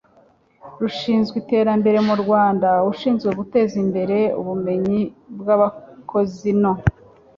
rushinzwe iterambere mu Rwanda ushinzwe guteza imbere ubumenyi bw abakozi no